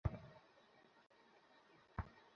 যেখানে দেখেছ সেটার উপর অবশ্য অনেকটা নির্ভর করে।